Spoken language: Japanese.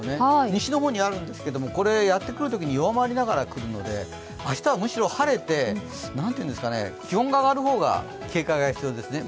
西の方にあるんですけど、これ、やってくるときに弱まりながら来るので、明日はむしろ晴れて、気温が上がる方が警戒が必要ですね。